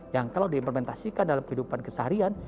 yang kalau diimplementasikan dalam kehidupan keseharian